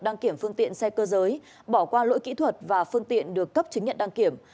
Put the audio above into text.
đăng kiểm phương tiện xe cơ giới bỏ qua lỗi kỹ thuật và phương tiện được cấp chứng nhận đăng kiểm